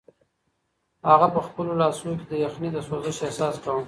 هغه په خپلو لاسو کې د یخنۍ د سوزش احساس کاوه.